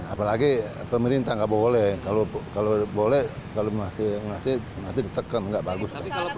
apalagi pemerintah nggak boleh kalau boleh kalau masih nanti ditekan nggak bagus